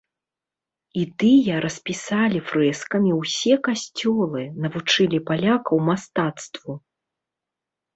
І тыя распісалі фрэскамі ўсе касцёлы, навучылі палякаў мастацтву.